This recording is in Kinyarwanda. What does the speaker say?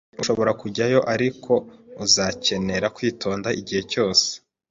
Urashobora kujyayo, ariko uzakenera kwitonda igihe cyose.